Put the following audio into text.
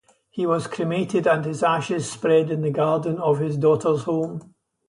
He was cremated and his ashes spread in the garden of his daughter's home.